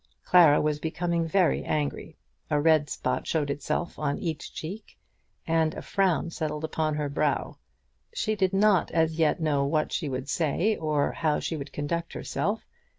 Clara was becoming very angry. A red spot showed itself on each cheek, and a frown settled upon her brow. She did not as yet know what she would say or how she would conduct herself.